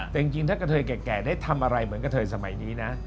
แต่จริงถ้ากระเทยแก่ได้ทำอะไรเหมือนกับเธอสมัยนี้นะ